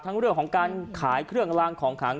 เรื่องของการขายเครื่องลางของขัง